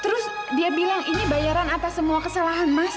terus dia bilang ini bayaran atas semua kesalahan mas